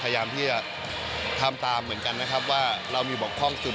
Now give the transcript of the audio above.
พยายามที่จะทำตามเหมือนกันนะครับว่าเรามีบกพร่องสุด